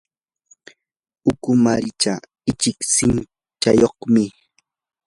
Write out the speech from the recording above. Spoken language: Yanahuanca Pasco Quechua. ukumaricha ichik sinqayuqmi.